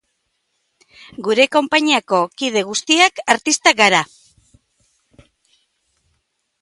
Gure konpainiako kide guztiak artistak gara.